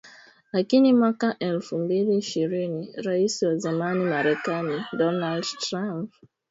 Lakini mwaka elfu mbili ishirini Rais wa zamani Marekani, Donald Trump, aliamuru kiasi cha wanajeshi mia saba hamsini wa Marekani nchini Somalia kuondoka